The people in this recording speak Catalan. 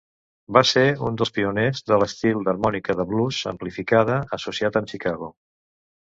Va ser un dels pioners de l'estil d'harmònica de blues amplificada associat amb Chicago.